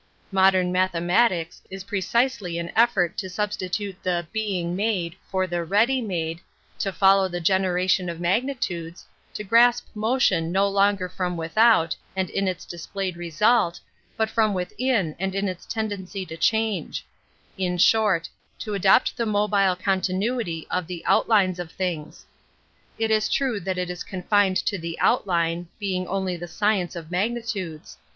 Modem mathematics Is precisely an eflfort to substitute the being made for the irorfy made, to follow the gi'Qomtiou of magnitudes, to grasp motion no longer from nilhout and in its dis pUi,vnl result, but from nithtQ and in its ' temlency to chan^> ; in short, to adopt the mobile continuity of the outlines of ihinga It is trw? that it is «mtine«l to the outline^ being oulv the science of magnitudes.